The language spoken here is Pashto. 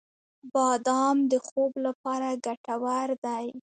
• بادام د خوب لپاره ګټور دی.